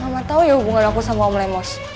mama tau ya hubungan aku sama om lengmos